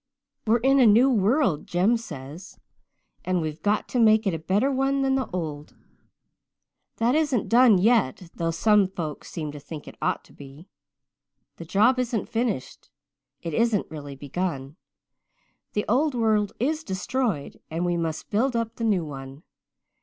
"'We're in a new world,' Jem says, 'and we've got to make it a better one than the old. That isn't done yet, though some folks seem to think it ought to be. The job isn't finished it isn't really begun. The old world is destroyed and we must build up the new one.